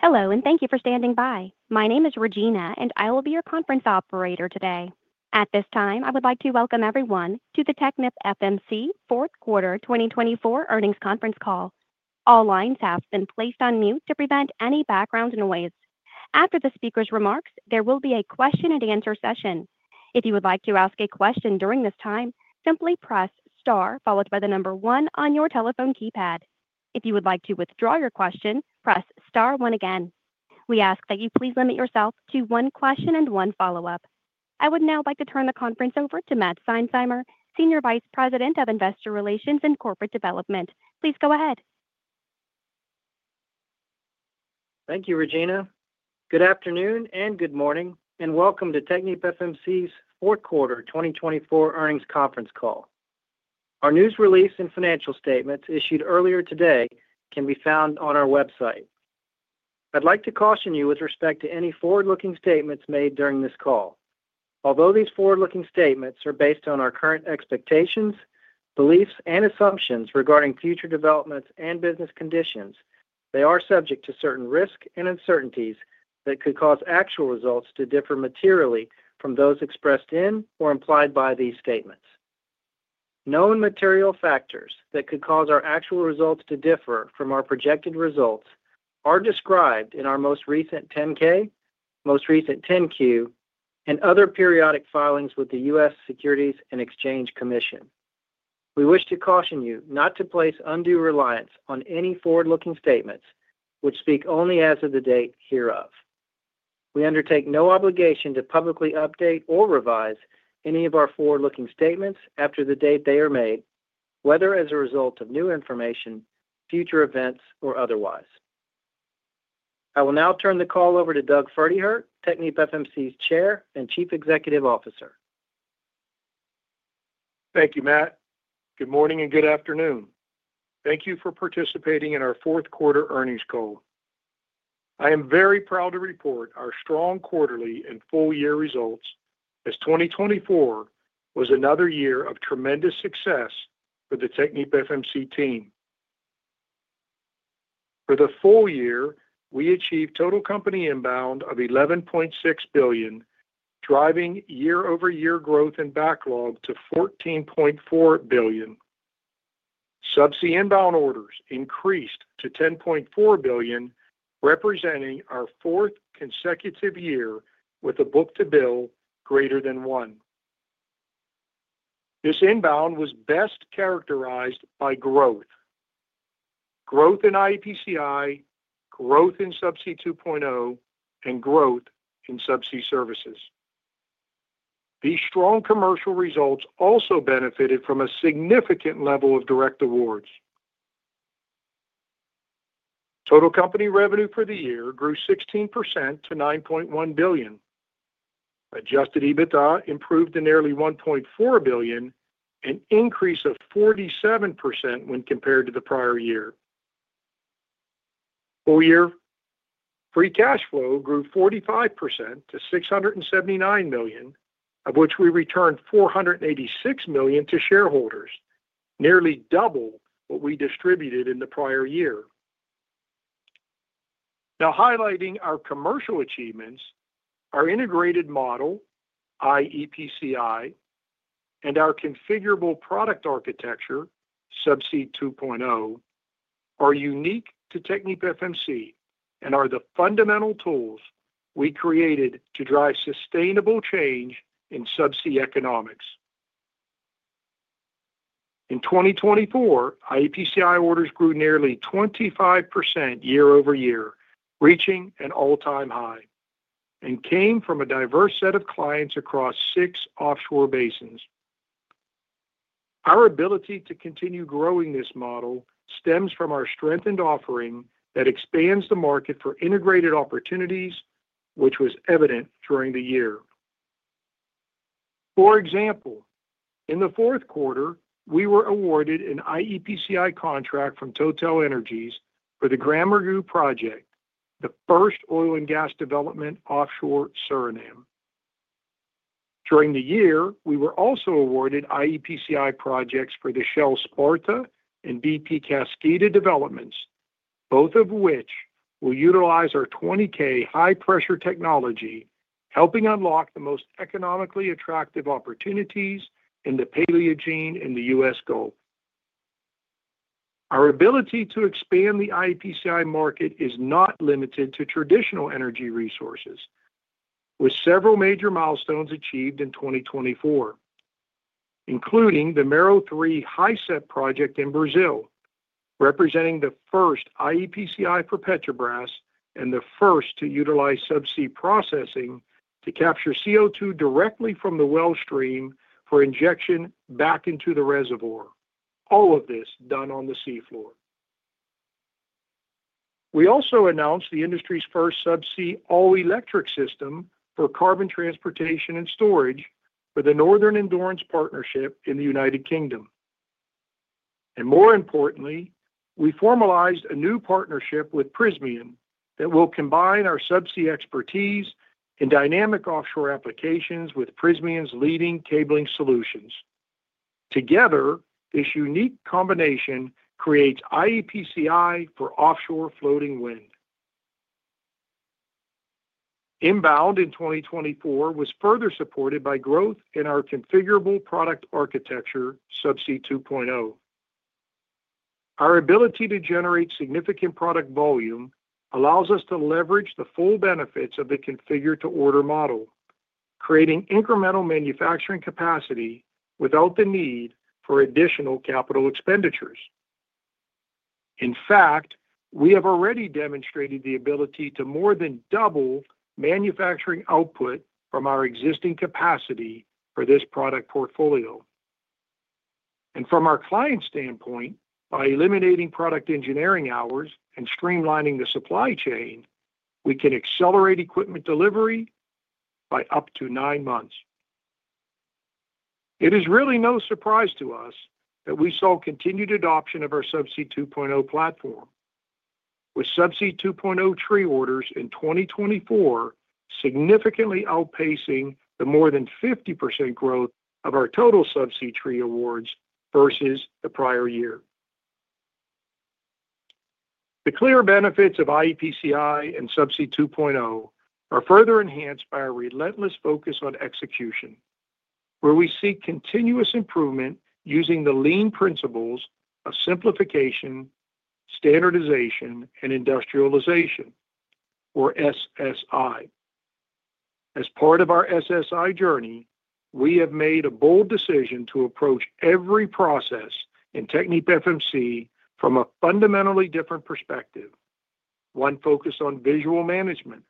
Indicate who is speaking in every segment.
Speaker 1: Hello, and thank you for standing by. My name is Regina, and I will be your conference operator today. At this time, I would like to welcome everyone to the TechnipFMC Fourth Quarter 2024 Earnings Conference Call. All lines have been placed on mute to prevent any background noise. After the speaker's remarks, there will be a question-and-answer session. If you would like to ask a question during this time, simply press star followed by the number one on your telephone keypad. If you would like to withdraw your question, press star one again. We ask that you please limit yourself to one question and one follow-up. I would now like to turn the conference over to Matt Seinsheimer, Senior Vice President of Investor Relations and Corporate Development. Please go ahead.
Speaker 2: Thank you, Regina. Good afternoon and good morning, and welcome to TechnipFMC's Fourth Quarter 2024 Earnings Conference Call. Our news release and financial statements issued earlier today can be found on our website. I'd like to caution you with respect to any forward-looking statements made during this call. Although these forward-looking statements are based on our current expectations, beliefs, and assumptions regarding future developments and business conditions, they are subject to certain risks and uncertainties that could cause actual results to differ materially from those expressed in or implied by these statements. Known material factors that could cause our actual results to differ from our projected results are described in our most recent 10-K, most recent 10-Q, and other periodic filings with the U.S. Securities and Exchange Commission. We wish to caution you not to place undue reliance on any forward-looking statements which speak only as of the date hereof. We undertake no obligation to publicly update or revise any of our forward-looking statements after the date they are made, whether as a result of new information, future events, or otherwise. I will now turn the call over to Doug Pferdehirt, TechnipFMC's Chair and Chief Executive Officer.
Speaker 3: Thank you, Matt. Good morning and good afternoon. Thank you for participating in our Fourth Quarter Earnings Call. I am very proud to report our strong quarterly and full-year results as 2024 was another year of tremendous success for the TechnipFMC team. For the full year, we achieved total company inbound of $11.6 billion, driving year-over-year growth and backlog to $14.4 billion. Subsea inbound orders increased to $10.4 billion, representing our fourth consecutive year with a book-to-bill greater than one. This inbound was best characterized by growth: growth in iEPCI, growth in Subsea 2.0, and growth in Subsea Services. These strong commercial results also benefited from a significant level of direct awards. Total company revenue for the year grew 16% to $9.1 billion. Adjusted EBITDA improved to nearly $1.4 billion, an increase of 47% when compared to the prior year. Full year, free cash flow grew 45% to $679 million, of which we returned $486 million to shareholders, nearly double what we distributed in the prior year. Now, highlighting our commercial achievements, our integrated model, iEPCI, and our configurable product architecture, Subsea 2.0, are unique to TechnipFMC and are the fundamental tools we created to drive sustainable change in subsea economics. In 2024, iEPCI orders grew nearly 25% year-over-year, reaching an all-time high, and came from a diverse set of clients across six offshore basins. Our ability to continue growing this model stems from our strengthened offering that expands the market for integrated opportunities, which was evident during the year. For example, in the fourth quarter, we were awarded an iEPCI contract from TotalEnergies for the GranMorgu project, the first oil and gas development offshore Suriname. During the year, we were also awarded iEPCI projects for the Shell Sparta and BP Kaskida developments, both of which will utilize our 20K high-pressure technology, helping unlock the most economically attractive opportunities in the Paleogene and the U.S. Gulf. Our ability to expand the iEPCI market is not limited to traditional energy resources, with several major milestones achieved in 2024, including the Mero 3 HISEP project in Brazil, representing the first iEPCI for Petrobras and the first to utilize subsea processing to capture CO2 directly from the well stream for injection back into the reservoir, all of this done on the seafloor. We also announced the industry's first subsea all-electric system for carbon transportation and storage for the Northern Endurance Partnership in the United Kingdom. More importantly, we formalized a new partnership with Prysmian that will combine our subsea expertise and dynamic offshore applications with Prysmian's leading cabling solutions. Together, this unique combination creates iEPCI for offshore floating wind. Inbound in 2024 was further supported by growth in our configurable product architecture, Subsea 2.0. Our ability to generate significant product volume allows us to leverage the full benefits of the configure-to-order model, creating incremental manufacturing capacity without the need for additional capital expenditures. In fact, we have already demonstrated the ability to more than double manufacturing output from our existing capacity for this product portfolio. From our client standpoint, by eliminating product engineering hours and streamlining the supply chain, we can accelerate equipment delivery by up to nine months. It is really no surprise to us that we saw continued adoption of our Subsea 2.0 platform, with Subsea 2.0 tree orders in 2024 significantly outpacing the more than 50% growth of our total subsea tree awards versus the prior year. The clear benefits of iEPCI and Subsea 2.0 are further enhanced by our relentless focus on execution, where we seek continuous improvement using the lean principles of simplification, standardization, and industrialization, or SSI. As part of our SSI journey, we have made a bold decision to approach every process in TechnipFMC from a fundamentally different perspective, one focused on visual management,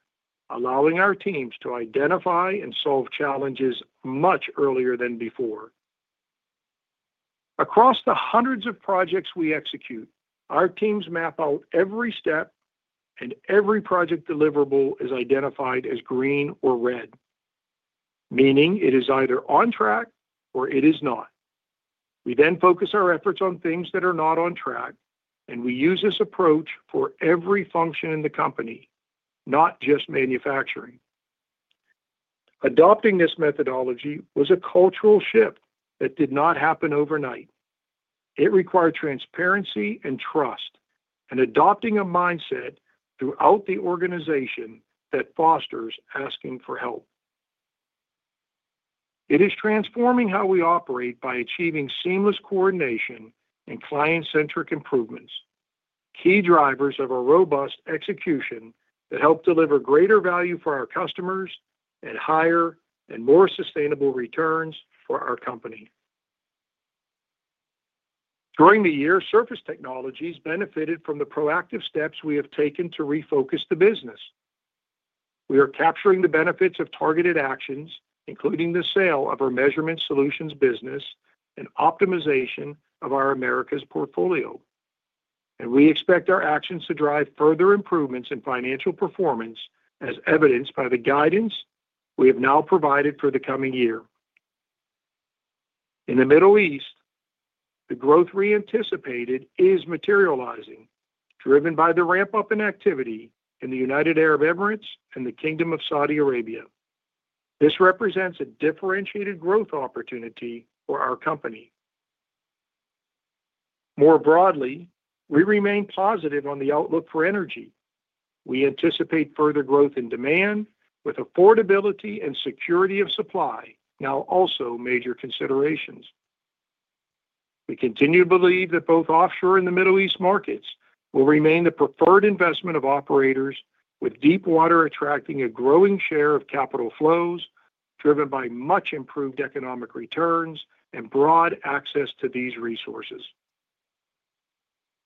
Speaker 3: allowing our teams to identify and solve challenges much earlier than before. Across the hundreds of projects we execute, our teams map out every step, and every project deliverable is identified as green or red, meaning it is either on track or it is not. We then focus our efforts on things that are not on track, and we use this approach for every function in the company, not just manufacturing. Adopting this methodology was a cultural shift that did not happen overnight. It required transparency and trust, and adopting a mindset throughout the organization that fosters asking for help. It is transforming how we operate by achieving seamless coordination and client-centric improvements, key drivers of a robust execution that help deliver greater value for our customers and higher and more sustainable returns for our company. During the year, Surface Technologies benefited from the proactive steps we have taken to refocus the business. We are capturing the benefits of targeted actions, including the sale of our Measurement Solutions business and optimization of our Americas portfolio. We expect our actions to drive further improvements in financial performance, as evidenced by the guidance we have now provided for the coming year. In the Middle East, the growth we anticipated is materializing, driven by the ramp-up in activity in the United Arab Emirates and the Kingdom of Saudi Arabia. This represents a differentiated growth opportunity for our company. More broadly, we remain positive on the outlook for energy. We anticipate further growth in demand, with affordability and security of supply now also major considerations. We continue to believe that both offshore and the Middle East markets will remain the preferred investment of operators, with deep water attracting a growing share of capital flows driven by much improved economic returns and broad access to these resources.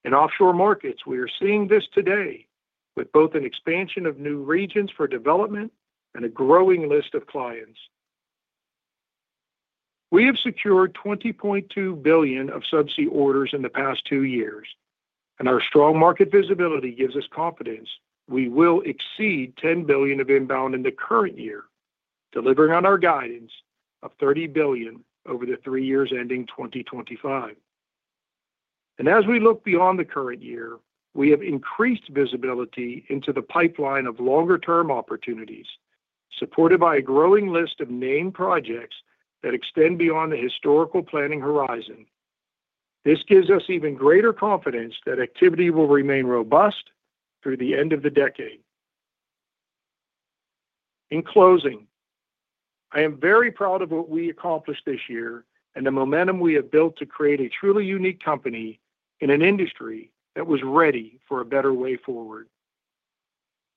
Speaker 3: In offshore markets, we are seeing this today, with both an expansion of new regions for development and a growing list of clients. We have secured $20.2 billion of subsea orders in the past two years, and our strong market visibility gives us confidence we will exceed $10 billion of inbound in the current year, delivering on our guidance of $30 billion over the three years ending 2025. As we look beyond the current year, we have increased visibility into the pipeline of longer-term opportunities, supported by a growing list of named projects that extend beyond the historical planning horizon. This gives us even greater confidence that activity will remain robust through the end of the decade. In closing, I am very proud of what we accomplished this year and the momentum we have built to create a truly unique company in an industry that was ready for a better way forward.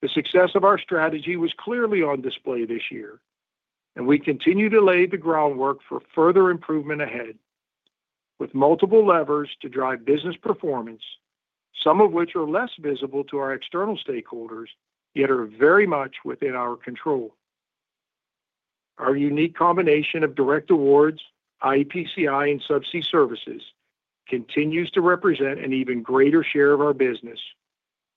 Speaker 3: The success of our strategy was clearly on display this year, and we continue to lay the groundwork for further improvement ahead, with multiple levers to drive business performance, some of which are less visible to our external stakeholders, yet are very much within our control. Our unique combination of direct awards, iEPCI, and Subsea Services continues to represent an even greater share of our business,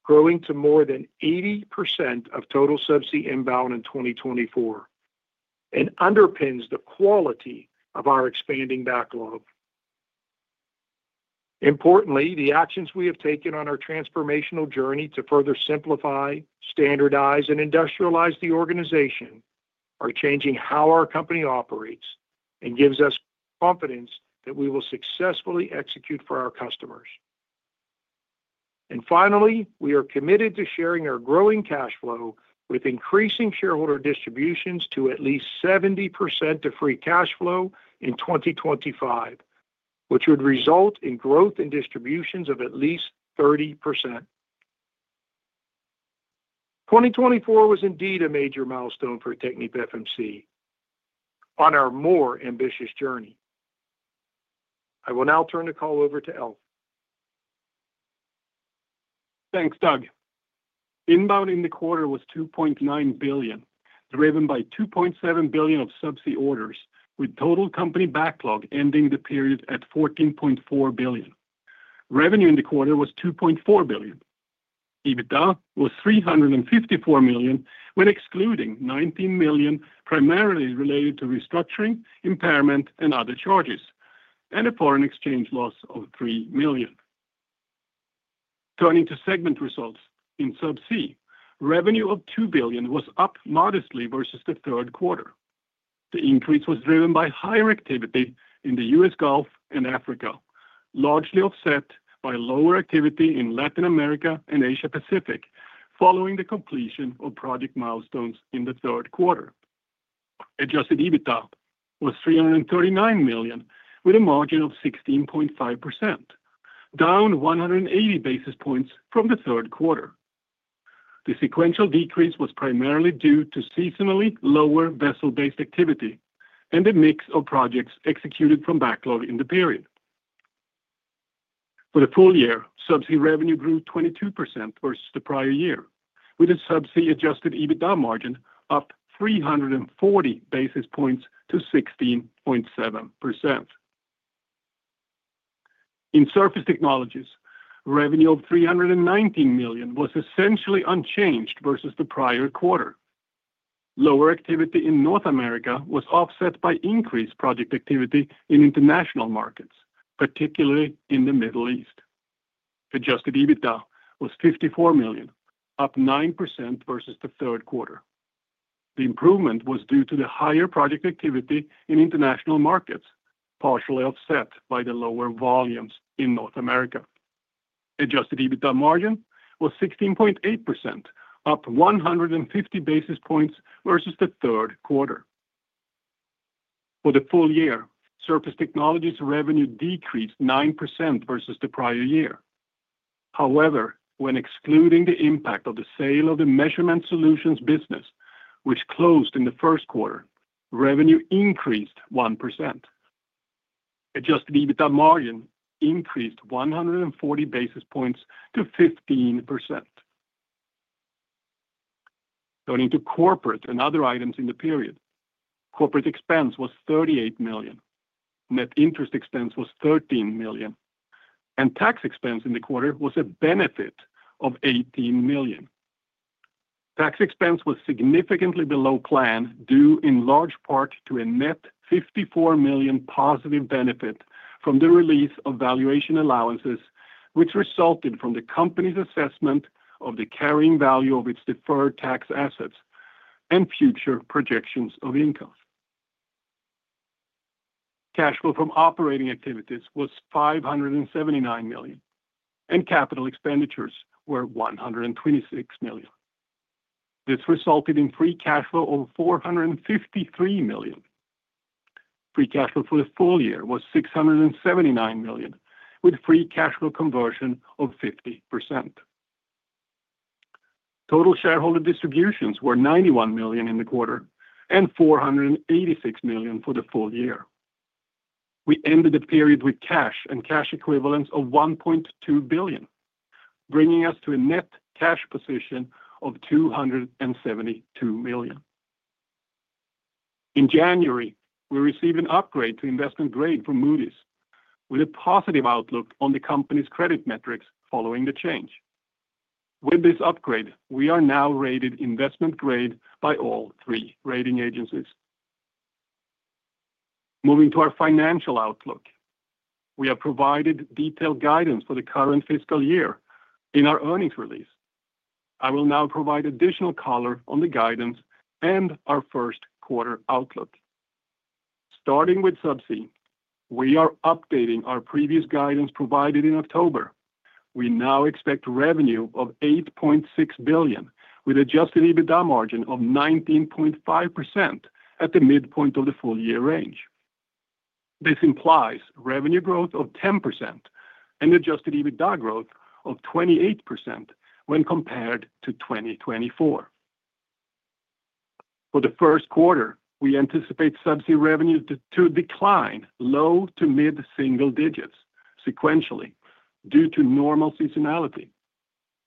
Speaker 3: growing to more than 80% of total subsea inbound in 2024 and underpins the quality of our expanding backlog. Importantly, the actions we have taken on our transformational journey to further simplify, standardize, and industrialize the organization are changing how our company operates and give us confidence that we will successfully execute for our customers. And finally, we are committed to sharing our growing cash flow with increasing shareholder distributions to at least 70% of free cash flow in 2025, which would result in growth in distributions of at least 30%. 2024 was indeed a major milestone for TechnipFMC on our more ambitious journey. I will now turn the call over to Alf.
Speaker 4: Thanks, Doug. Inbound in the quarter was $2.9 billion, driven by $2.7 billion of subsea orders, with total company backlog ending the period at $14.4 billion. Revenue in the quarter was $2.4 billion. EBITDA was $354 million when excluding $19 million primarily related to restructuring, impairment, and other charges, and a foreign exchange loss of $3 million. Turning to segment results, in Subsea, revenue of $2 billion was up modestly versus the third quarter. The increase was driven by higher activity in the U.S. Gulf and Africa, largely offset by lower activity in Latin America and Asia-Pacific following the completion of project milestones in the third quarter. Adjusted EBITDA was $339 million, with a margin of 16.5%, down 180 basis points from the third quarter. The sequential decrease was primarily due to seasonally lower vessel-based activity and a mix of projects executed from backlog in the period. For the full year, Subsea revenue grew 22% versus the prior year, with a Subsea adjusted EBITDA margin up 340 basis points to 16.7%. In Surface Technologies, revenue of $319 million was essentially unchanged versus the prior quarter. Lower activity in North America was offset by increased project activity in international markets, particularly in the Middle East. Adjusted EBITDA was $54 million, up 9% versus the third quarter. The improvement was due to the higher project activity in international markets, partially offset by the lower volumes in North America. Adjusted EBITDA margin was 16.8%, up 150 basis points versus the third quarter. For the full year, Surface Technologies' revenue decreased 9% versus the prior year. However, when excluding the impact of the sale of the measurement solutions business, which closed in the first quarter, revenue increased 1%. Adjusted EBITDA margin increased 140 basis points to 15%. Turning to corporate and other items in the period, corporate expense was $38 million, net interest expense was $13 million, and tax expense in the quarter was a benefit of $18 million. Tax expense was significantly below plan, due in large part to a net $54 million positive benefit from the release of valuation allowances, which resulted from the company's assessment of the carrying value of its deferred tax assets and future projections of incomes. Cash flow from operating activities was $579 million, and capital expenditures were $126 million. This resulted in free cash flow of $453 million. Free cash flow for the full year was $679 million, with free cash flow conversion of 50%. Total shareholder distributions were $91 million in the quarter and $486 million for the full year. We ended the period with cash and cash equivalents of $1.2 billion, bringing us to a net cash position of $272 million. In January, we received an upgrade to investment grade for Moody's, with a positive outlook on the company's credit metrics following the change. With this upgrade, we are now rated investment grade by all three rating agencies. Moving to our financial outlook, we have provided detailed guidance for the current fiscal year in our earnings release. I will now provide additional color on the guidance and our first quarter outlook. Starting with Subsea, we are updating our previous guidance provided in October. We now expect revenue of $8.6 billion, with Adjusted EBITDA margin of 19.5% at the midpoint of the full year range. This implies revenue growth of 10% and Adjusted EBITDA growth of 28% when compared to 2024. For the first quarter, we anticipate subsea revenues to decline low to mid single digits sequentially due to normal seasonality,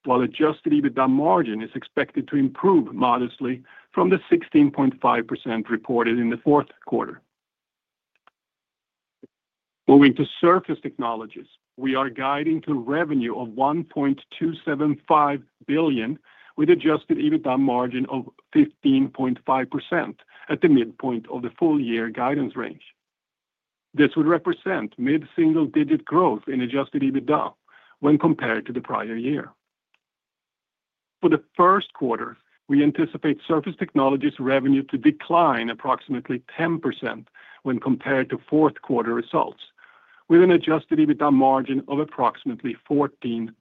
Speaker 4: while adjusted EBITDA margin is expected to improve modestly from the 16.5% reported in the fourth quarter. Moving to Surface Technologies, we are guiding to revenue of $1.275 billion, with adjusted EBITDA margin of 15.5% at the midpoint of the full year guidance range. This would represent mid single digit growth in adjusted EBITDA when compared to the prior year. For the first quarter, we anticipate Surface Technologies' revenue to decline approximately 10% when compared to fourth quarter results, with an adjusted EBITDA margin of approximately 14.5%.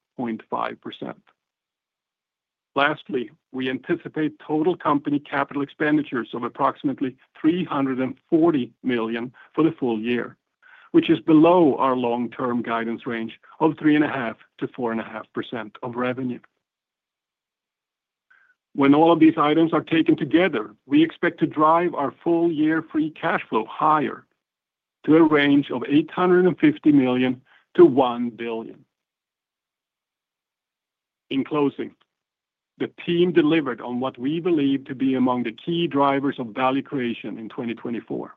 Speaker 4: Lastly, we anticipate total company capital expenditures of approximately $340 million for the full year, which is below our long-term guidance range of 3.5% - 4.5% of revenue. When all of these items are taken together, we expect to drive our full year free cash flow higher to a range of $850 million-$1 billion. In closing, the team delivered on what we believe to be among the key drivers of value creation in 2024,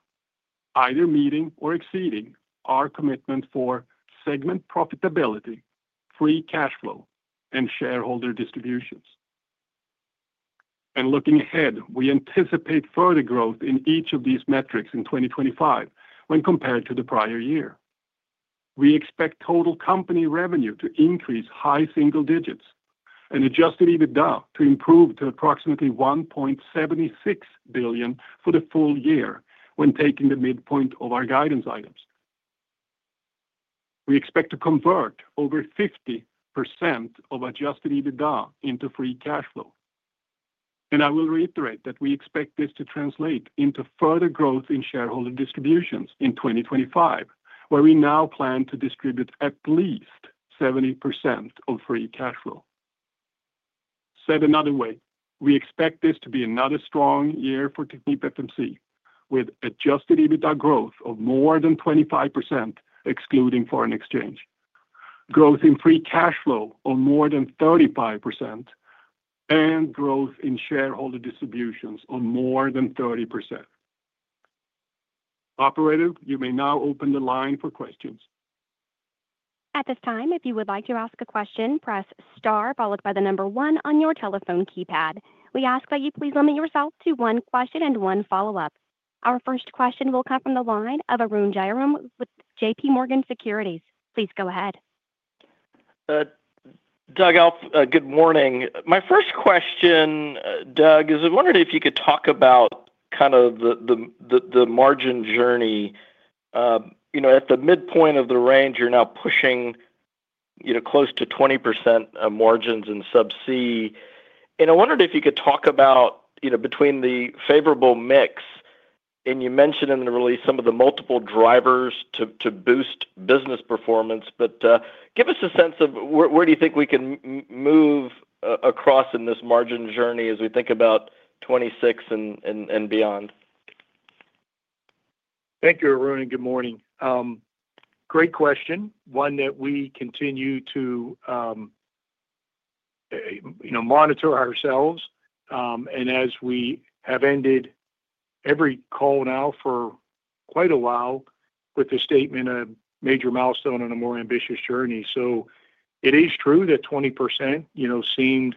Speaker 4: either meeting or exceeding our commitment for segment profitability, free cash flow, and shareholder distributions. And looking ahead, we anticipate further growth in each of these metrics in 2025 when compared to the prior year. We expect total company revenue to increase high single digits and Adjusted EBITDA to improve to approximately $1.76 billion for the full year when taking the midpoint of our guidance items. We expect to convert over 50% of Adjusted EBITDA into free cash flow. And I will reiterate that we expect this to translate into further growth in shareholder distributions in 2025, where we now plan to distribute at least 70% of free cash flow. Said another way, we expect this to be another strong year for TechnipFMC, with Adjusted EBITDA growth of more than 25% excluding foreign exchange, growth in free cash flow of more than 35%, and growth in shareholder distributions of more than 30%. Operator, you may now open the line for questions.
Speaker 1: At this time, if you would like to ask a question, press star followed by the number one on your telephone keypad. We ask that you please limit yourself to one question and one follow-up. Our first question will come from the line of Arun Jayaram, J.P. Morgan Securities. Please go ahead.
Speaker 5: Doug, good morning. My first question, Doug, is I wondered if you could talk about kind of the margin journey. You know, at the midpoint of the range, you're now pushing, you know, close to 20% margins in subsea. And I wondered if you could talk about, you know, between the favorable mix, and you mentioned in the release some of the multiple drivers to boost business performance. But give us a sense of where do you think we can move across in this margin journey as we think about 2026 and beyond.
Speaker 3: Thank you, Arun. Good morning. Great question. One that we continue to, you know, monitor ourselves, and as we have ended every call now for quite a while with the statement of major milestone on a more ambitious journey, so it is true that 20%, you know, seemed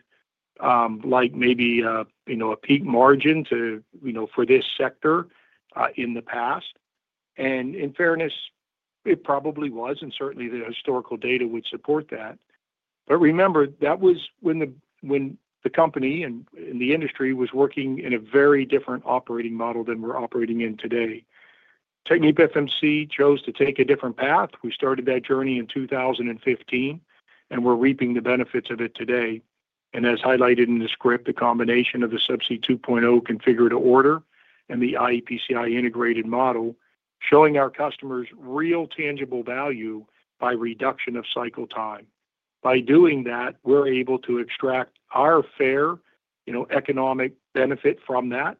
Speaker 3: like maybe, you know, a peak margin to, you know, for this sector in the past. And in fairness, it probably was, and certainly the historical data would support that. But remember, that was when the company and the industry was working in a very different operating model than we're operating in today. TechnipFMC chose to take a different path. We started that journey in 2015, and we're reaping the benefits of it today. And as highlighted in the script, the combination of the Subsea 2.0 configure-to-order and the iEPCI integrated model showing our customers real tangible value by reduction of cycle time. By doing that, we're able to extract our fair, you know, economic benefit from that.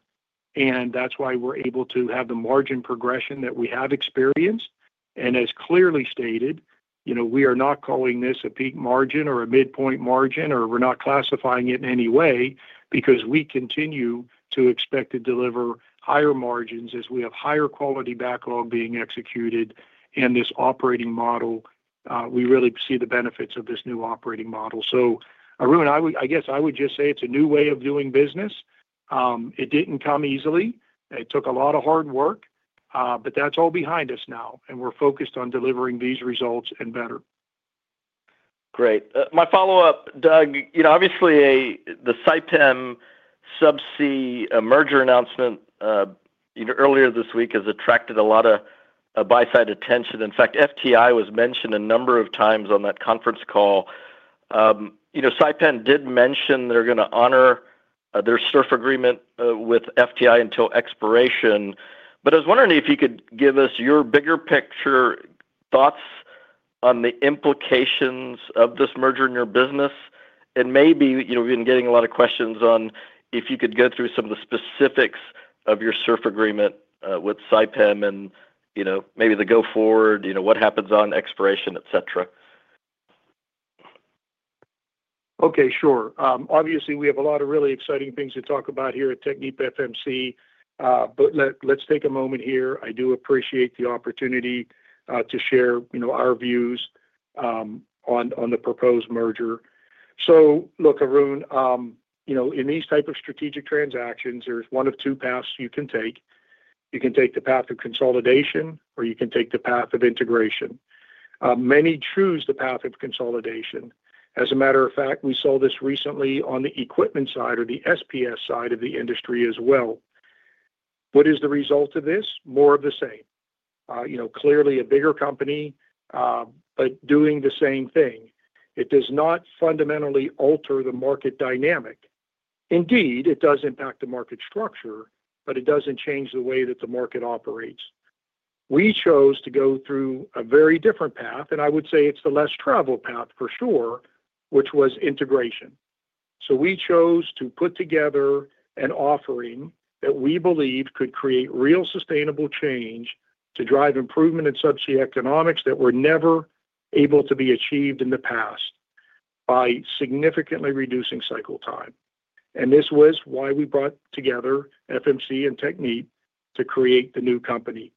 Speaker 3: And that's why we're able to have the margin progression that we have experienced. And as clearly stated, you know, we are not calling this a peak margin or a midpoint margin, or we're not classifying it in any way because we continue to expect to deliver higher margins as we have higher quality backlog being executed. And this operating model, we really see the benefits of this new operating model. So, Arun, I guess I would just say it's a new way of doing business. It didn't come easily. It took a lot of hard work, but that's all behind us now, and we're focused on delivering these results and better.
Speaker 5: Great. My follow-up, Doug, you know, obviously the Saipem subsea merger announcement, you know, earlier this week has attracted a lot of buy-side attention. In fact, TechnipFMC was mentioned a number of times on that conference call. You know, Saipem did mention they're going to honor their SURF agreement with TechnipFMC until expiration. But I was wondering if you could give us your bigger picture thoughts on the implications of this merger in your business, and maybe, you know, we've been getting a lot of questions on if you could go through some of the specifics of your SURF agreement with Saipem and, you know, maybe the go-forward, you know, what happens on expiration, et cetera.
Speaker 3: Okay, sure. Obviously, we have a lot of really exciting things to talk about here at TechnipFMC, but let's take a moment here. I do appreciate the opportunity to share, you know, our views on the proposed merger. So, look, Arun, you know, in these types of strategic transactions, there's one of two paths you can take. You can take the path of consolidation, or you can take the path of integration. Many choose the path of consolidation. As a matter of fact, we saw this recently on the equipment side or the SPS side of the industry as well. What is the result of this? More of the same. You know, clearly a bigger company, but doing the same thing. It does not fundamentally alter the market dynamic. Indeed, it does impact the market structure, but it doesn't change the way that the market operates. We chose to go through a very different path, and I would say it's the less traveled path for sure, which was integration. So we chose to put together an offering that we believe could create real sustainable change to drive improvement in subsea economics that were never able to be achieved in the past by significantly reducing cycle time. And this was why we brought together FMC and Technip to create the new company.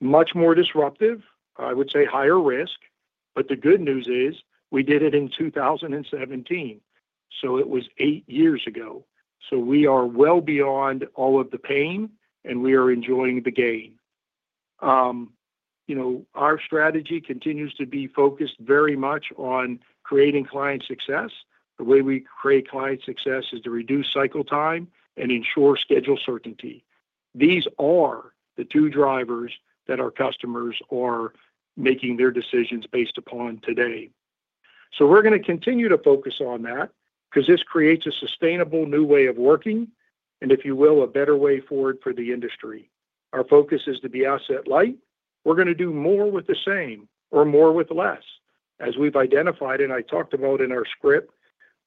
Speaker 3: Much more disruptive, I would say higher risk, but the good news is we did it in 2017. So it was eight years ago. So we are well beyond all of the pain, and we are enjoying the gain. You know, our strategy continues to be focused very much on creating client success. The way we create client success is to reduce cycle time and ensure schedule certainty. These are the two drivers that our customers are making their decisions based upon today. So we're going to continue to focus on that because this creates a sustainable new way of working and, if you will, a better way forward for the industry. Our focus is to be asset light. We're going to do more with the same or more with less, as we've identified, and I talked about in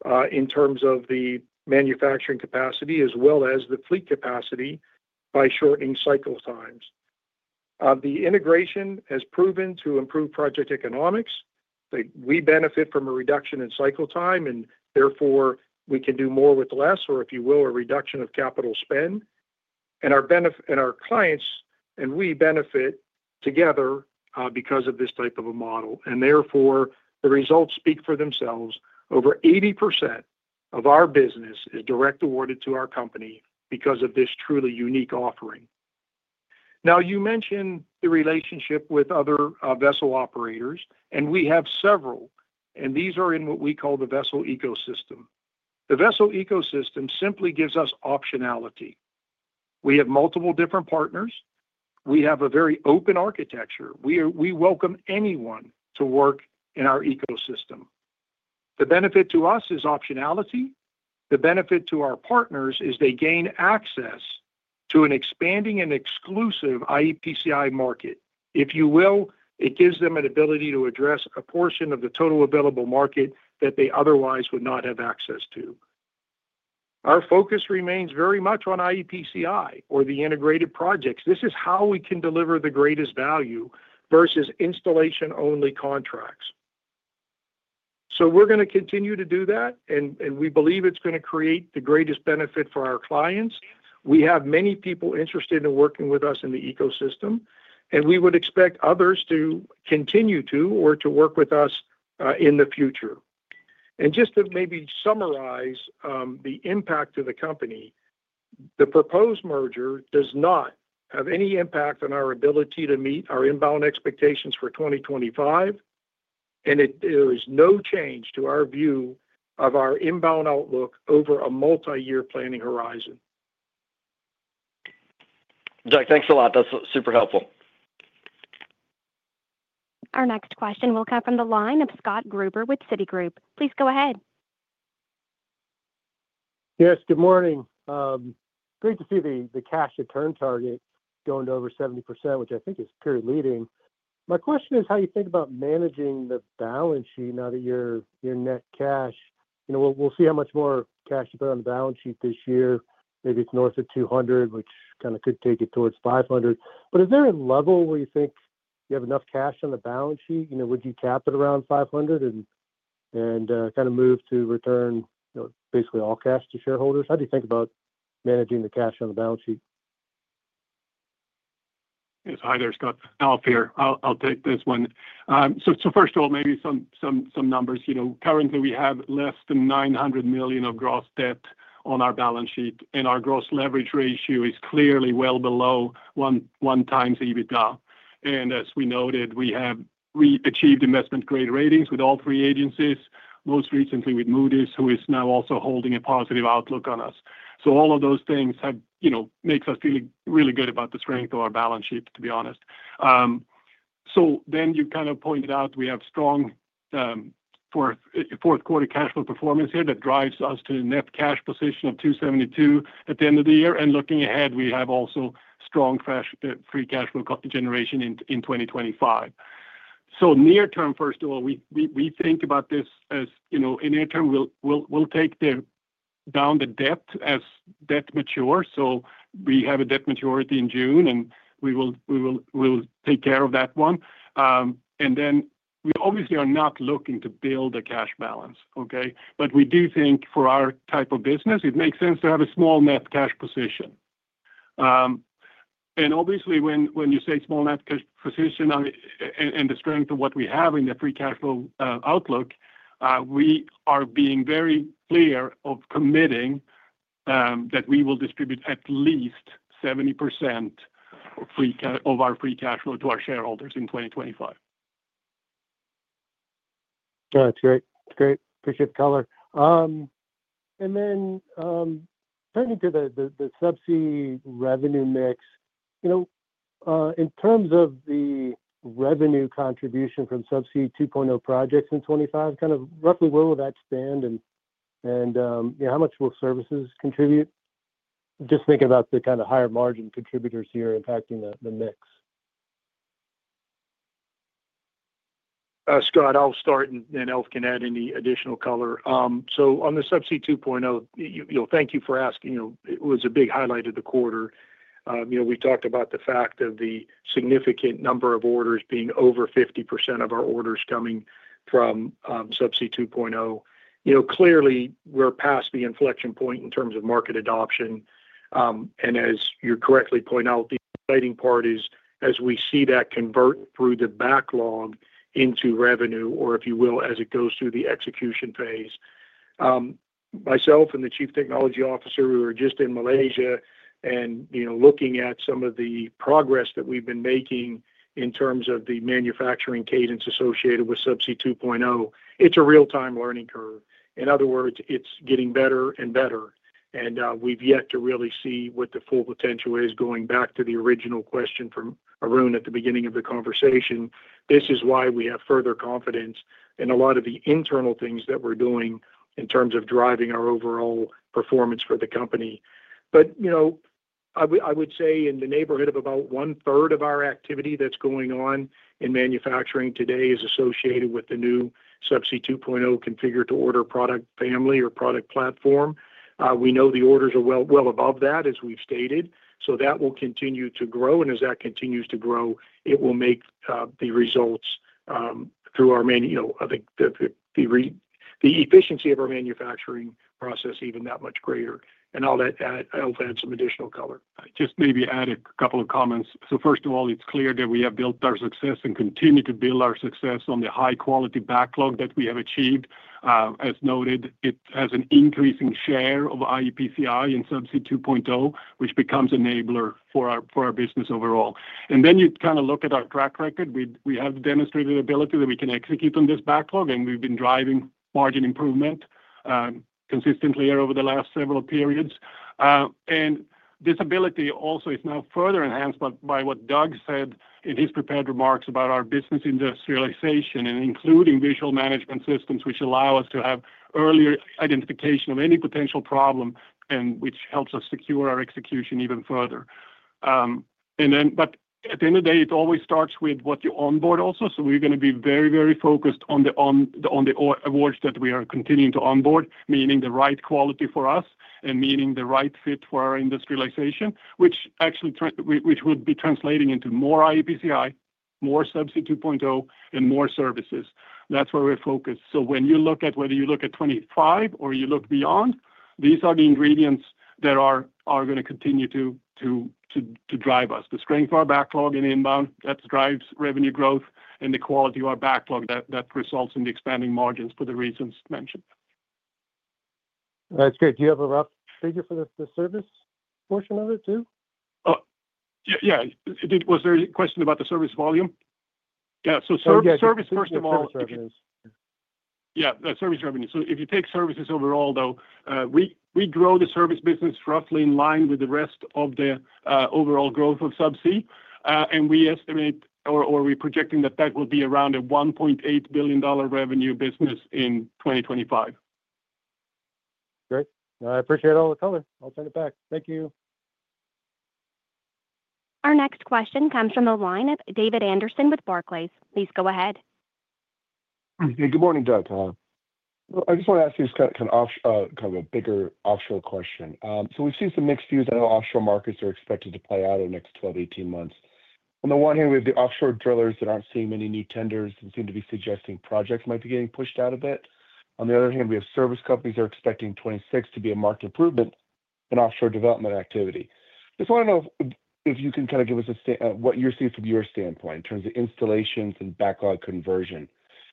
Speaker 3: our script in terms of the manufacturing capacity as well as the fleet capacity by shortening cycle times. The integration has proven to improve project economics. We benefit from a reduction in cycle time, and therefore we can do more with less, or if you will, a reduction of capital spend. And our clients and we benefit together because of this type of a model. And therefore, the results speak for themselves. Over 80% of our business is directly awarded to our company because of this truly unique offering. Now, you mentioned the relationship with other vessel operators, and we have several, and these are in what we call the vessel ecosystem. The vessel ecosystem simply gives us optionality. We have multiple different partners. We have a very open architecture. We welcome anyone to work in our ecosystem. The benefit to us is optionality. The benefit to our partners is they gain access to an expanding and exclusive iEPCI market. If you will, it gives them an ability to address a portion of the total available market that they otherwise would not have access to. Our focus remains very much on iEPCI or the integrated projects. This is how we can deliver the greatest value versus installation-only contracts. So we're going to continue to do that, and we believe it's going to create the greatest benefit for our clients. We have many people interested in working with us in the ecosystem, and we would expect others to continue to or to work with us in the future. And just to maybe summarize the impact of the company, the proposed merger does not have any impact on our ability to meet our inbound expectations for 2025, and there is no change to our view of our inbound outlook over a multi-year planning horizon.
Speaker 5: Doug, thanks a lot. That's super helpful.
Speaker 1: Our next question will come from the line of Scott Gruber with Citigroup. Please go ahead.
Speaker 6: Yes, good morning. Great to see the cash conversion target going to over 70%, which I think is purely leading. My question is how you think about managing the balance sheet now that you're net cash. You know, we'll see how much more cash you put on the balance sheet this year. Maybe it's north of $200 million, which kind of could take it towards $500 million. But is there a level where you think you have enough cash on the balance sheet? You know, would you cap it around $500 million and kind of move to return, you know, basically all cash to shareholders? How do you think about managing the cash on the balance sheet?
Speaker 4: Yes, hi there, Scott. Alf here. I'll take this one. So first of all, maybe some numbers. You know, currently we have less than $900 million of gross debt on our balance sheet, and our gross leverage ratio is clearly well below one times EBITDA. And as we noted, we have achieved investment-grade ratings with all three agencies, most recently with Moody's, who is now also holding a positive outlook on us. So all of those things have, you know, makes us feel really good about the strength of our balance sheet, to be honest. So then you kind of pointed out we have strong fourth-quarter cash flow performance here that drives us to a net cash position of $272 million at the end of the year. And looking ahead, we have also strong free cash flow generation in 2025. Near term, first of all, we think about this as, you know, in near term, we'll take down the debt as debt matures. So we have a debt maturity in June, and we will take care of that one. And then we obviously are not looking to build a cash balance, okay? But we do think for our type of business, it makes sense to have a small net cash position. And obviously, when you say small net cash position and the strength of what we have in the free cash flow outlook, we are being very clear of committing that we will distribute at least 70% of our free cash flow to our shareholders in 2025.
Speaker 6: That's great. That's great. Appreciate the color. And then turning to the Subsea revenue mix, you know, in terms of the revenue contribution from Subsea 2.0 projects in 2025, kind of roughly where will that stand? And how much will services contribute? Just thinking about the kind of higher margin contributors here impacting the mix.
Speaker 3: Scott, I'll start, and then Alf can add any additional color, so on the Subsea 2.0, you know, thank you for asking. It was a big highlight of the quarter. You know, we talked about the fact of the significant number of orders being over 50% of our orders coming from Subsea 2.0. You know, clearly we're past the inflection point in terms of market adoption, and as you correctly point out, the exciting part is as we see that convert through the backlog into revenue, or if you will, as it goes through the execution phase. Myself and the Chief Technology Officer, we were just in Malaysia and, you know, looking at some of the progress that we've been making in terms of the manufacturing cadence associated with Subsea 2.0. It's a real-time learning curve. In other words, it's getting better and better. We've yet to really see what the full potential is going back to the original question from Arun at the beginning of the conversation. This is why we have further confidence in a lot of the internal things that we're doing in terms of driving our overall performance for the company. But, you know, I would say in the neighborhood of about one-third of our activity that's going on in manufacturing today is associated with the new Subsea 2.0 configured to order product family or product platform. We know the orders are well above that, as we've stated. So that will continue to grow. And as that continues to grow, it will make the results through our, you know, I think the efficiency of our manufacturing process even that much greater. And I'll add some additional color. Just maybe add a couple of comments. So first of all, it's clear that we have built our success and continue to build our success on the high-quality backlog that we have achieved. As noted, it has an increasing share of iEPCI in Subsea 2.0, which becomes an enabler for our business overall. And then you kind of look at our track record. We have demonstrated ability that we can execute on this backlog, and we've been driving margin improvement consistently here over the last several periods. And this ability also is now further enhanced by what Doug said in his prepared remarks about our business industrialization and including visual management systems, which allow us to have earlier identification of any potential problem and which helps us secure our execution even further. And then, but at the end of the day, it always starts with what you onboard also. So we're going to be very, very focused on the awards that we are continuing to onboard, meaning the right quality for us and meaning the right fit for our industrialization, which actually would be translating into more iEPCI, more Subsea 2.0, and more services. That's where we're focused. When you look at whether you look at 2025 or you look beyond, these are the ingredients that are going to continue to drive us. The strength of our backlog in inbound, that drives revenue growth and the quality of our backlog that results in the expanding margins for the reasons mentioned.
Speaker 6: That's great. Do you have a rough figure for the service portion of it too?
Speaker 3: Yeah. Was there a question about the service volume? Yeah. So service, first of all, yeah, service revenue. So if you take services overall, though, we grow the service business roughly in line with the rest of the overall growth of subsea. And we estimate or we're projecting that that will be around a $1.8 billion revenue business in 2025.
Speaker 6: Great. I appreciate all the color. I'll turn it back. Thank you.
Speaker 1: Our next question comes from the line of David Anderson with Barclays. Please go ahead.
Speaker 7: Hey, good morning, Doug. I just want to ask you kind of a bigger offshore question. So we've seen some mixed views on how offshore markets are expected to play out in the next 12-18 months. On the one hand, we have the offshore drillers that aren't seeing many new tenders and seem to be suggesting projects might be getting pushed out a bit. On the other hand, we have service companies that are expecting 2026 to be a marked improvement in offshore development activity. Just want to know if you can kind of give us what you see from your standpoint in terms of installations and backlog conversion.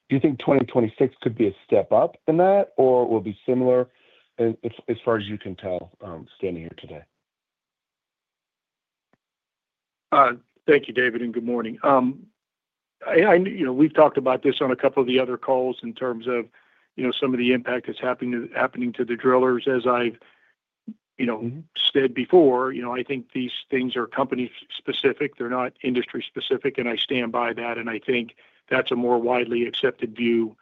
Speaker 7: Do you think 2026 could be a step up in that or will be similar as far as you can tell standing here today?
Speaker 3: Thank you, David, and good morning. You know, we've talked about this on a couple of the other calls in terms of, you know, some of the impact that's happening to the drillers. As I've, you know, said before, you know, I think these things are company-specific. They're not industry-specific, and I stand by that. And I think that's a more widely accepted view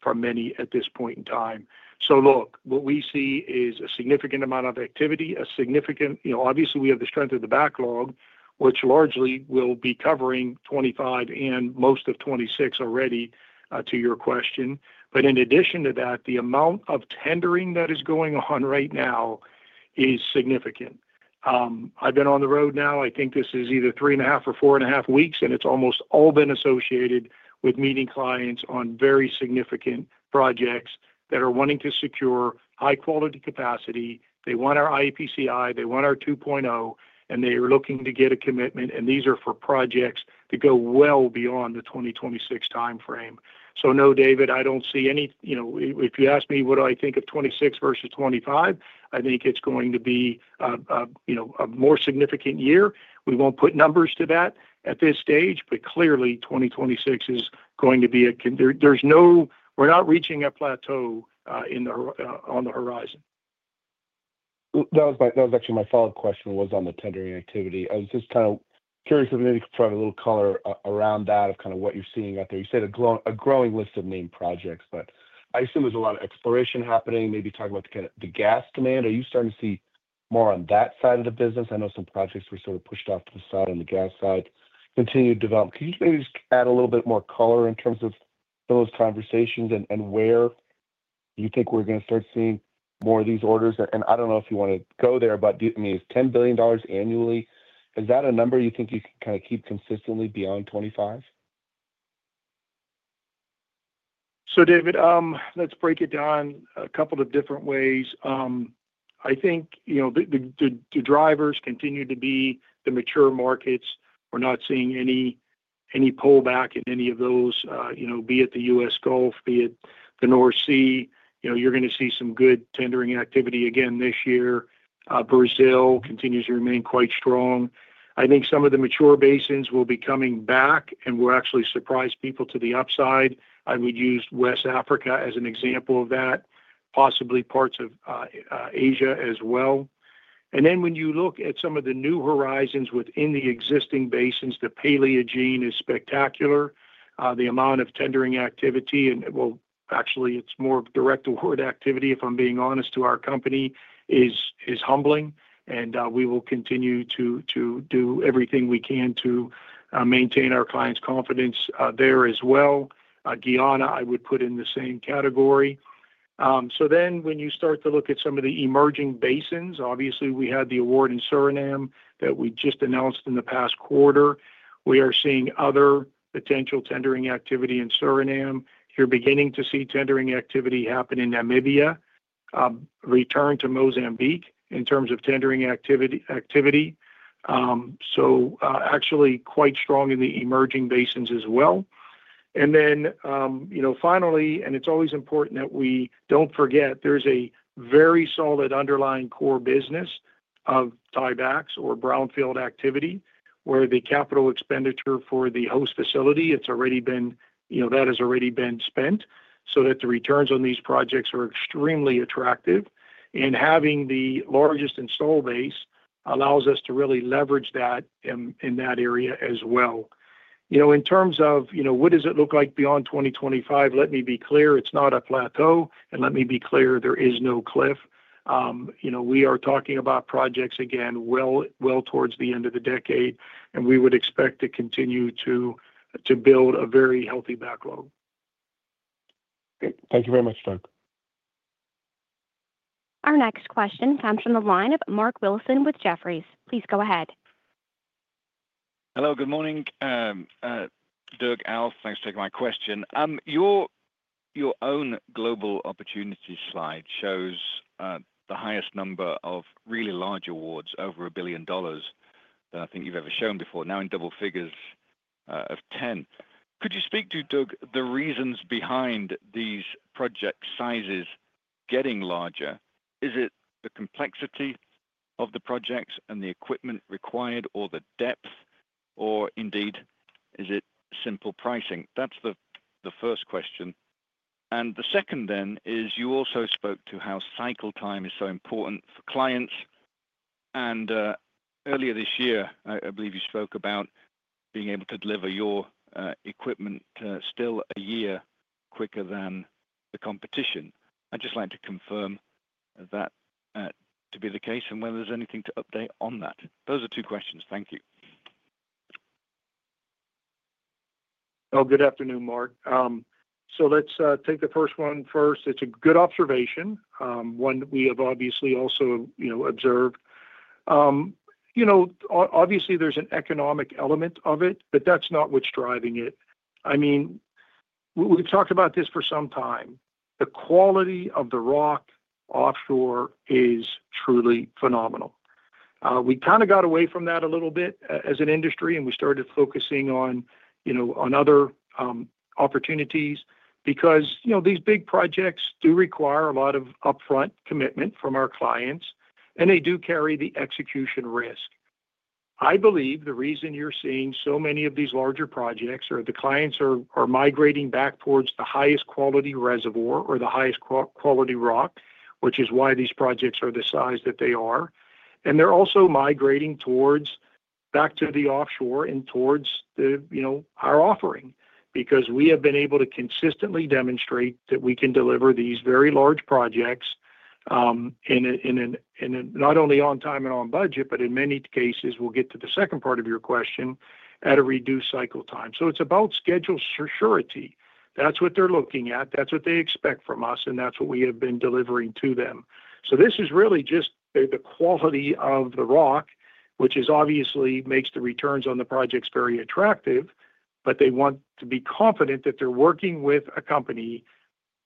Speaker 3: from many at this point in time. So look, what we see is a significant amount of activity, a significant, you know, obviously we have the strength of the backlog, which largely will be covering 2025 and most of 2026 already to your question. But in addition to that, the amount of tendering that is going on right now is significant. I've been on the road now. I think this is either and a half or four and a half weeks, and it's almost all been associated with meeting clients on very significant projects that are wanting to secure high-quality capacity. They want our iEPCI, they want our 2.0, and they are looking to get a commitment. And these are for projects that go well beyond the 2026 timeframe. So no, David, I don't see any, you know, if you ask me what do I think of 2026 versus 2025, I think it's going to be, you know, a more significant year. We won't put numbers to that at this stage, but clearly 2026 is going to be a, there's no, we're not reaching a plateau on the horizon.
Speaker 7: That was actually my follow-up question was on the tendering activity. I was just kind of curious if maybe you could provide a little color around that of kind of what you're seeing out there. You said a growing list of named projects, but I assume there's a lot of exploration happening, maybe talking about the gas demand. Are you starting to see more on that side of the business? I know some projects were sort of pushed off to the side on the gas side. Continued development. Can you maybe just add a little bit more color in terms of those conversations and where you think we're going to start seeing more of these orders? And I don't know if you want to go there, but I mean, it's $10 billion annually. Is that a number you think you can kind of keep consistently beyond 2025?
Speaker 3: So David, let's break it down a couple of different ways. I think, you know, the drivers continue to be the mature markets. We're not seeing any pullback in any of those, you know, be it the U.S. Gulf, be it the North Sea. You know, you're going to see some good tendering activity again this year. Brazil continues to remain quite strong. I think some of the mature basins will be coming back, and we'll actually surprise people to the upside. I would use West Africa as an example of that, possibly parts of Asia as well. And then when you look at some of the new horizons within the existing basins, the Paleogene is spectacular. The amount of tendering activity, and well, actually, it's more direct award activity, if I'm being honest, to our company is humbling. We will continue to do everything we can to maintain our clients' confidence there as well. Guyana, I would put in the same category. When you start to look at some of the emerging basins, obviously we had the award in Suriname that we just announced in the past quarter. We are seeing other potential tendering activity in Suriname. You're beginning to see tendering activity happen in Namibia, return to Mozambique in terms of tendering activity. So actually quite strong in the emerging basins as well. You know, finally, and it's always important that we don't forget, there's a very solid underlying core business of tiebacks or brownfield activity where the capital expenditure for the host facility, it's already been, you know, that has already been spent so that the returns on these projects are extremely attractive. Having the largest install base allows us to really leverage that in that area as well. You know, in terms of, you know, what does it look like beyond 2025? Let me be clear, it's not a plateau. Let me be clear, there is no cliff. You know, we are talking about projects again well towards the end of the decade, and we would expect to continue to build a very healthy backlog.
Speaker 7: Great. Thank you very much, Doug.
Speaker 1: Our next question comes from the line of Mark Wilson with Jefferies. Please go ahead.
Speaker 8: Hello, good morning. Doug, Alf, thanks for taking my question. Your own global opportunity slide shows the highest number of really large awards over $1 billion than I think you've ever shown before, now in double figures of 10. Could you speak to, Doug, the reasons behind these project sizes getting larger? Is it the complexity of the projects and the equipment required or the depth, or indeed is it simple pricing? That's the first question. And the second then is you also spoke to how cycle time is so important for clients. And earlier this year, I believe you spoke about being able to deliver your equipment still a year quicker than the competition. I'd just like to confirm that to be the case and whether there's anything to update on that. Those are two questions. Thank you.
Speaker 3: Well, good afternoon, Mark. So let's take the first one first. It's a good observation, one that we have obviously also, you know, observed. You know, obviously there's an economic element of it, but that's not what's driving it. I mean, we've talked about this for some time. The quality of the rock offshore is truly phenomenal. We kind of got away from that a little bit as an industry, and we started focusing on, you know, on other opportunities because, you know, these big projects do require a lot of upfront commitment from our clients, and they do carry the execution risk. I believe the reason you're seeing so many of these larger projects or the clients are migrating back towards the highest quality reservoir or the highest quality rock, which is why these projects are the size that they are. They're also migrating back to the offshore and towards the, you know, our offering because we have been able to consistently demonstrate that we can deliver these very large projects in not only on time and on budget, but in many cases, we'll get to the second part of your question, at a reduced cycle time. So it's about schedule surety. That's what they're looking at. That's what they expect from us, and that's what we have been delivering to them. So this is really just the quality of the rock, which obviously makes the returns on the projects very attractive, but they want to be confident that they're working with a company,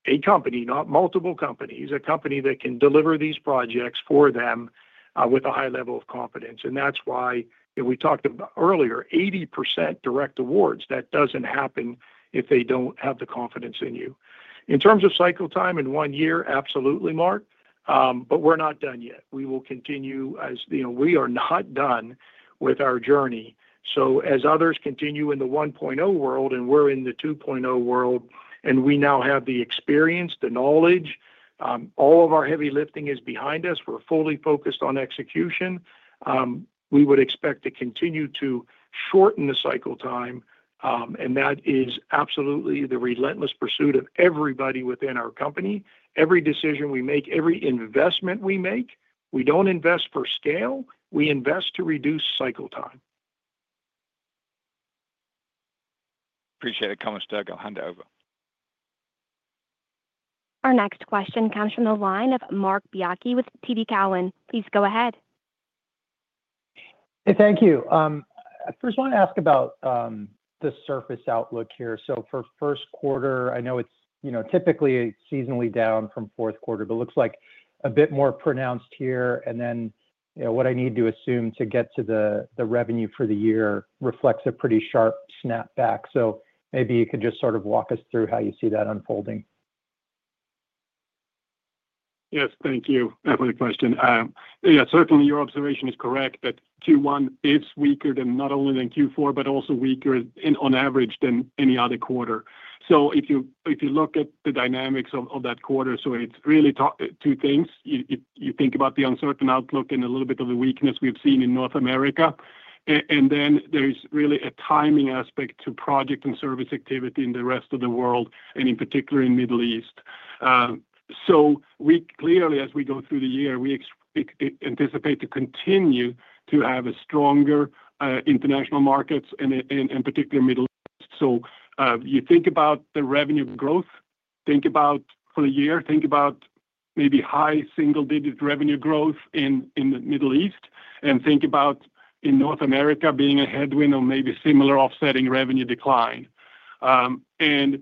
Speaker 3: a company, not multiple companies, a company that can deliver these projects for them with a high level of confidence. And that's why, you know, we talked earlier, 80% direct awards. That doesn't happen if they don't have the confidence in you. In terms of cycle time in one year, absolutely, Mark, but we're not done yet. We will continue, as you know, we are not done with our journey. So as others continue in the 1.0 world and we're in the 2.0 world, and we now have the experience, the knowledge, all of our heavy lifting is behind us. We're fully focused on execution. We would expect to continue to shorten the cycle time, and that is absolutely the relentless pursuit of everybody within our company. Every decision we make, every investment we make, we don't invest for scale. We invest to reduce cycle time.
Speaker 8: Appreciate it. Now, Doug, I'll hand it over.
Speaker 1: Our next question comes from the line of Marc Bianchi with TD Cowen. Please go ahead.
Speaker 9: Hey, thank you. I first want to ask about the surface outlook here. So for first quarter, I know it's, you know, typically seasonally down from fourth quarter, but it looks like a bit more pronounced here. And then, you know, what I need to assume to get to the revenue for the year reflects a pretty sharp snap back. So maybe you could just sort of walk us through how you see that unfolding.
Speaker 4: Yes, thank you for the question. Yeah, certainly your observation is correct that Q1 is weaker than not only than Q4, but also weaker on average than any other quarter. So if you look at the dynamics of that quarter, so it's really two things. You think about the uncertain outlook and a little bit of the weakness we've seen in North America. And then there's really a timing aspect to project and service activity in the rest of the world, and in particular in the Middle East. So we clearly, as we go through the year, we anticipate to continue to have stronger international markets and in particular Middle East. So you think about the revenue growth, think about for the year, think about maybe high single-digit revenue growth in the Middle East, and think about in North America being a headwind or maybe similar offsetting revenue decline. And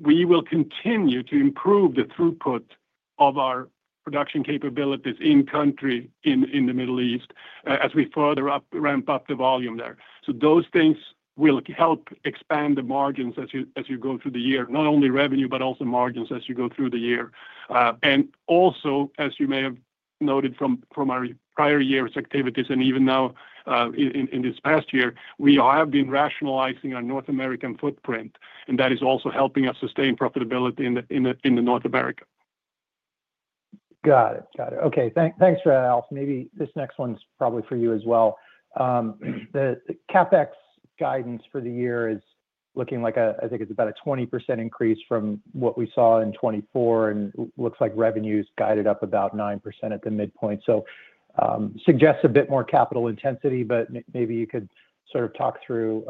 Speaker 4: we will continue to improve the throughput of our production capabilities in-country in the Middle East as we further ramp up the volume there. So those things will help expand the margins as you go through the year, not only revenue, but also margins as you go through the year. And also, as you may have noted from our prior years' activities and even now in this past year, we have been rationalizing our North American footprint, and that is also helping us sustain profitability in North America.
Speaker 9: Got it. Got it. Okay. Thanks, Alf Melin. Maybe this next one's probably for you as well. The CapEx guidance for the year is looking like a, I think it's about a 20% increase from what we saw in 2024, and it looks like revenues guided up about 9% at the midpoint, so suggests a bit more capital intensity, but maybe you could sort of talk through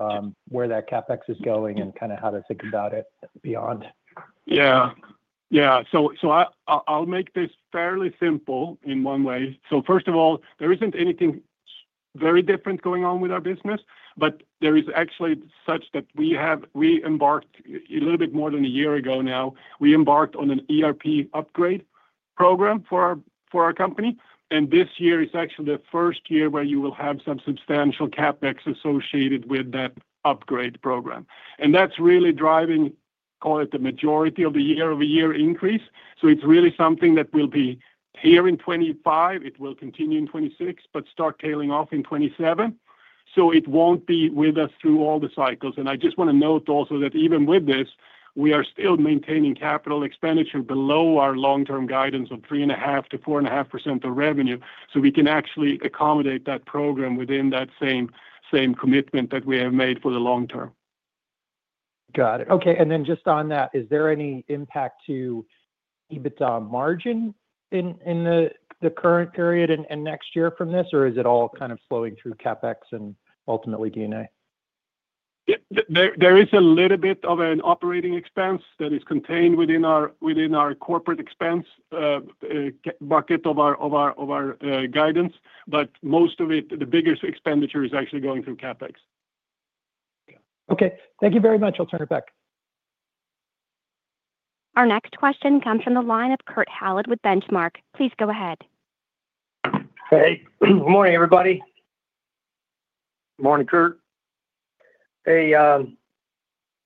Speaker 9: where that CapEx is going and kind of how to think about it beyond.
Speaker 4: Yeah. Yeah. So I'll make this fairly simple in one way. So first of all, there isn't anything very different going on with our business, but there is actually such that we have, we embarked a little bit more than a year ago now, we embarked on an ERP upgrade program for our company. And this year is actually the first year where you will have some substantial CapEx associated with that upgrade program. And that's really driving, call it the majority of the year-over-year increase. So it's really something that will be here in 2025, it will continue in 2026, but start tailing off in 2027. So it won't be with us through all the cycles. And I just want to note also that even with this, we are still maintaining capital expenditure below our long-term guidance of 3.5%-4.5% of revenue. So we can actually accommodate that program within that same commitment that we have made for the long term.
Speaker 9: Got it. Okay. And then just on that, is there any impact to EBITDA margin in the current period and next year from this, or is it all kind of flowing through CapEx and ultimately EBITDA?
Speaker 4: There is a little bit of an operating expense that is contained within our corporate expense bucket of our guidance, but most of it, the biggest expenditure is actually going through CapEx.
Speaker 9: Okay. Thank you very much. I'll turn it back.
Speaker 1: Our next question comes from the line of Kurt Hallead with Benchmark. Please go ahead.
Speaker 10: Hey. Good morning, everybody.
Speaker 3: Morning, Kurt.
Speaker 10: Hey,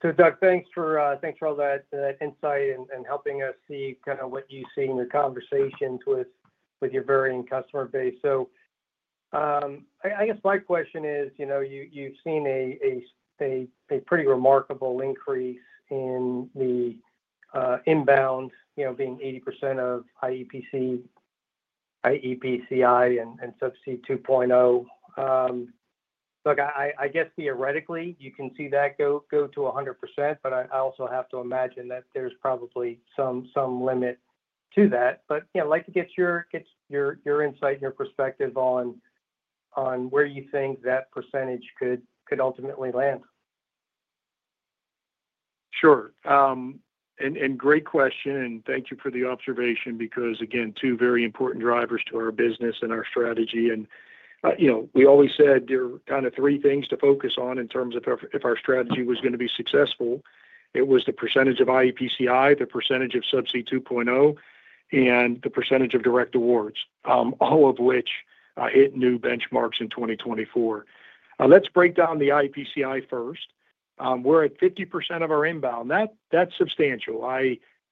Speaker 10: so Doug, thanks for all that insight and helping us see kind of what you see in your conversations with your varying customer base. So I guess my question is, you know, you've seen a pretty remarkable increase in the inbound, you know, being 80% of iEPCI and Subsea 2.0. Look, I guess theoretically, you can see that go to 100%, but I also have to imagine that there's probably some limit to that. But yeah, I'd like to get your insight and your perspective on where you think that percentage could ultimately land.
Speaker 3: Sure. And great question, and thank you for the observation because, again, two very important drivers to our business and our strategy. And, you know, we always said there are kind of three things to focus on in terms of if our strategy was going to be successful. It was the percentage of iEPCI, the percentage of Subsea 2.0, and the percentage of direct awards, all of which hit new benchmarks in 2024. Let's break down the iEPCI first. We're at 50% of our inbound. That's substantial.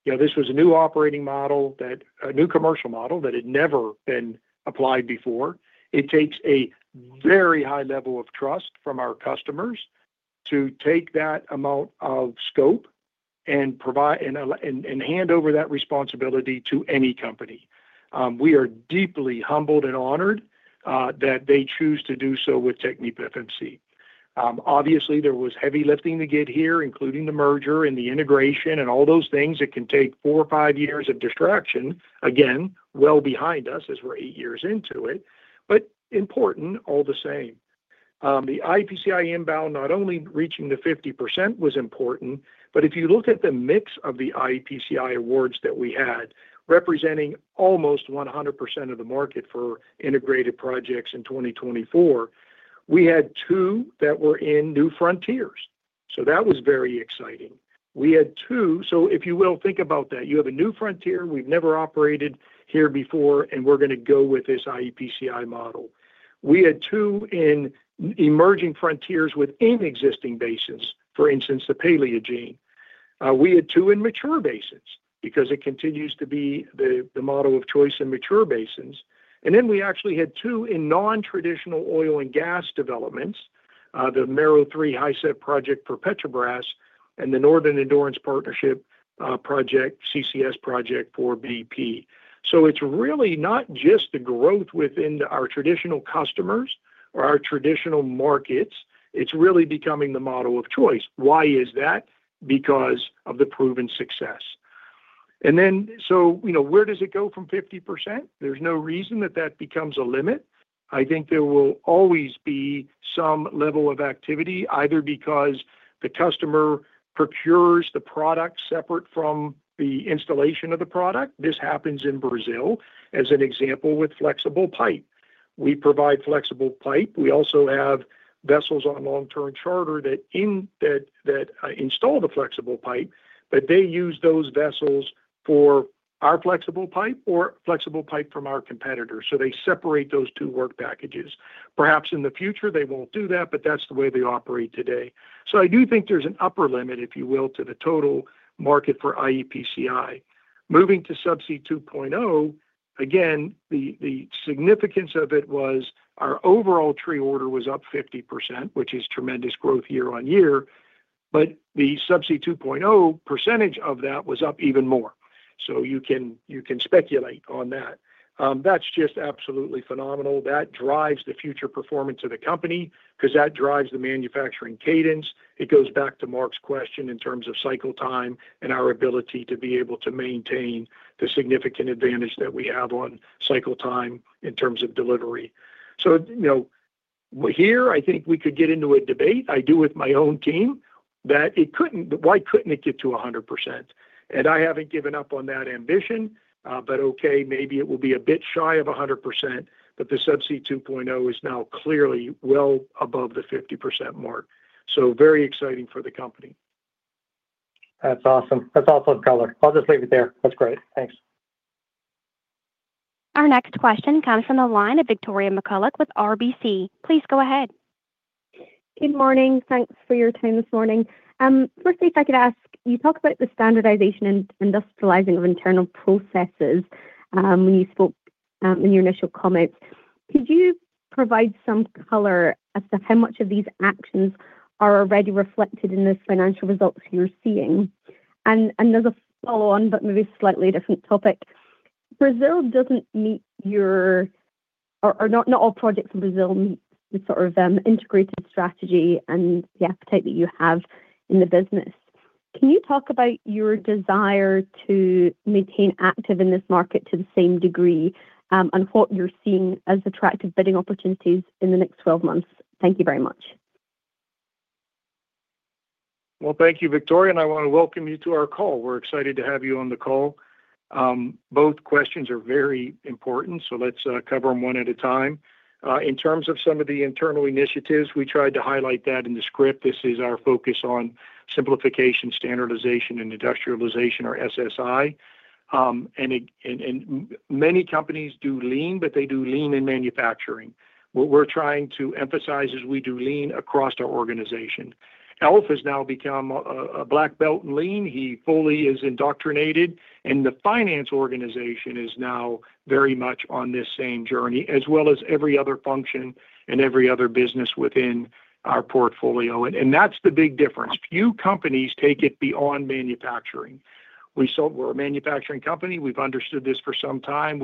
Speaker 3: This was a new operating model, a new commercial model that had never been applied before. It takes a very high level of trust from our customers to take that amount of scope and hand over that responsibility to any company. We are deeply humbled and honored that they choose to do so with TechnipFMC. Obviously, there was heavy lifting to get here, including the merger and the integration and all those things. It can take four or five years of distraction, again, well behind us as we're eight years into it, but important all the same. The iEPCI inbound, not only reaching the 50% was important, but if you look at the mix of the iEPCI awards that we had, representing almost 100% of the market for integrated projects in 2024, we had two that were in new frontiers. So that was very exciting. We had two. So if you will think about that, you have a new frontier, we've never operated here before, and we're going to go with this iEPCI model. We had two in emerging frontiers within existing basins, for instance, the Paleogene. We had two in mature basins because it continues to be the model of choice in mature basins. And then we actually had two in non-traditional oil and gas developments, the Mero 3 HISEP project for Petrobras and the Northern Endurance Partnership project, CCS project for BP. So it's really not just the growth within our traditional customers or our traditional markets. It's really becoming the model of choice. Why is that? Because of the proven success. And then, so, you know, where does it go from 50%? There's no reason that that becomes a limit. I think there will always be some level of activity, either because the customer procures the product separate from the installation of the product. This happens in Brazil, as an example, with flexible pipe. We provide flexible pipe. We also have vessels on long-term charter that install the flexible pipe, but they use those vessels for our flexible pipe or flexible pipe from our competitor. So they separate those two work packages. Perhaps in the future, they won't do that, but that's the way they operate today. So I do think there's an upper limit, if you will, to the total market for iEPCI. Moving to Subsea 2.0, again, the significance of it was our overall tree order was up 50%, which is tremendous growth year on year, but the Subsea 2.0 percentage of that was up even more. So you can speculate on that. That's just absolutely phenomenal. That drives the future performance of the company because that drives the manufacturing cadence. It goes back to Mark's question in terms of cycle time and our ability to be able to maintain the significant advantage that we have on cycle time in terms of delivery. So, you know, here, I think we could get into a debate, I do with my own team, that it couldn't. Why couldn't it get to 100%? I haven't given up on that ambition, but okay, maybe it will be a bit shy of 100%, but the Subsea 2.0 is now clearly well above the 50% mark, so very exciting for the company.
Speaker 10: That's awesome. That's awesome color. I'll just leave it there. That's great. Thanks.
Speaker 1: Our next question comes from the line of Victoria McCulloch with RBC. Please go ahead.
Speaker 11: Good morning. Thanks for your time this morning. Firstly, if I could ask, you talked about the standardization and industrializing of internal processes when you spoke in your initial comments. Could you provide some color as to how much of these actions are already reflected in this financial results you're seeing? And as a follow-on, but maybe a slightly different topic, Brazil doesn't meet your, or not all projects in Brazil meet the sort of integrated strategy and the appetite that you have in the business. Can you talk about your desire to maintain active in this market to the same degree and what you're seeing as attractive bidding opportunities in the next 12 months? Thank you very much.
Speaker 3: Thank you, Victoria, and I want to welcome you to our call. We're excited to have you on the call. Both questions are very important, so let's cover them one at a time. In terms of some of the internal initiatives, we tried to highlight that in the script. This is our focus on simplification, standardization, and industrialization, or SSI. Many companies do lean, but they do lean in manufacturing. What we're trying to emphasize is we do lean across our organization. Alf has now become a black belt in lean. He fully is indoctrinated, and the finance organization is now very much on this same journey, as well as every other function and every other business within our portfolio. That's the big difference. Few companies take it beyond manufacturing. We're a manufacturing company. We've understood this for some time.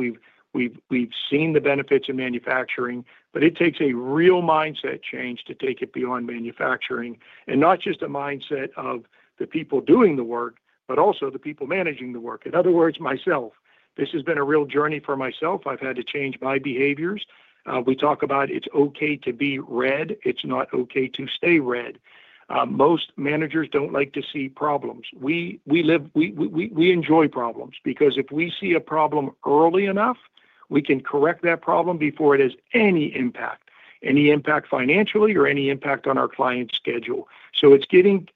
Speaker 3: We've seen the benefits of manufacturing, but it takes a real mindset change to take it beyond manufacturing. And not just a mindset of the people doing the work, but also the people managing the work. In other words, myself. This has been a real journey for myself. I've had to change my behaviors. We talk about it's okay to be red. It's not okay to stay red. Most managers don't like to see problems. We enjoy problems because if we see a problem early enough, we can correct that problem before it has any impact, any impact financially or any impact on our client schedule. So it's getting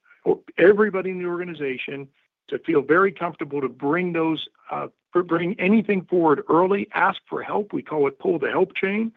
Speaker 3: everybody in the organization to feel very comfortable to bring anything forward early, ask for help. We call it pull the help chain.